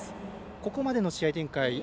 ここまでの試合展開